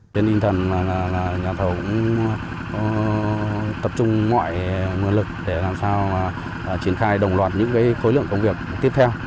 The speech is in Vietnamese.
đến in thần là nhà thầu cũng tập trung ngoại nguồn lực để làm sao triển khai đồng loạt những khối lượng công việc tiếp theo